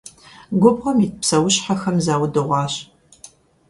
Губгъуэм ит псэущхьэхэм заудыгъуащ.